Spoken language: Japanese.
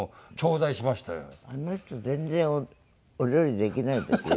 あの人全然お料理できないですよ。